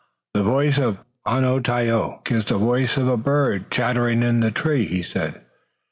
"The voice of Onontio is the voice of a bird chattering in a tree," he said.